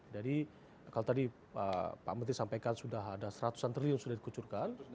jadi kalau tadi pak menteri sampaikan sudah ada seratusan triliun sudah dikucurkan